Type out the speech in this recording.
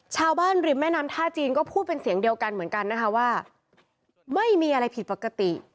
ชาวบ้านริมแม่น้ำท่าจีนก็พูดเป็นเสียงเดียวกันเหมือนกันนะคะว่าไม่มีอะไรผิดปกติ